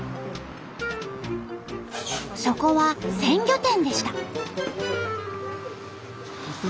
そこは鮮魚店でした。